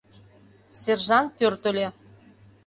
Сержант пӧртыльӧ.